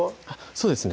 そうですね